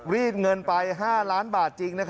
รีดเงินไป๕ล้านบาทจริง